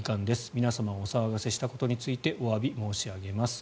皆様をお騒がせしたことについておわび申し上げます。